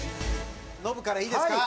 ノブからいいですか？